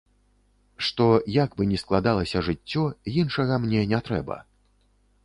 Што, як бы ні складалася жыццё, іншага мне не трэба.